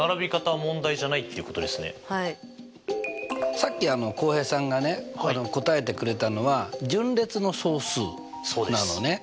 さっき浩平さんがね答えてくれたのは順列の総数なのね。